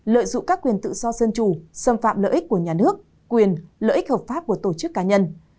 lợi dụng các quyền tự do dân chủ xâm phạm lợi ích của nhà nước quyền lợi ích hợp pháp của tổ chức cá nhân